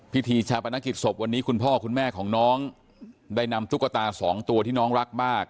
พิธีชาปนกิจศพวันนี้คุณพ่อคุณแม่ของน้องได้นำตุ๊กตาสองตัวที่น้องรักมาก